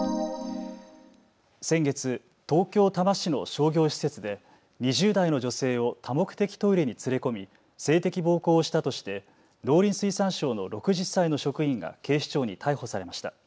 先月、東京多摩市の商業施設で２０代の女性を多目的トイレに連れ込み性的暴行をしたとして農林水産省の６０歳の職員が警視庁に逮捕されました。